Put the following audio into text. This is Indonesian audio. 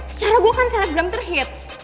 secara gue kan selebgram terhits